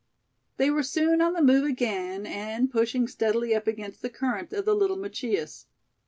They were soon on the move again, and pushing steadily up against the current of the Little Machias.